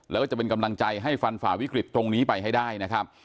แล้วก็จะเป็นกำลังใจให้ฟันฝ่าวิกฤตตรงนี้ไปให้ได้นะครับ